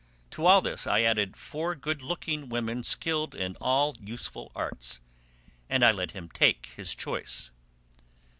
To all this I added four good looking women skilled in all useful arts, and I let him take his choice."